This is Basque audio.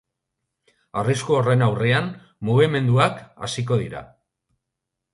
Arrisku horren aurrean mugimenduak hasiko dira.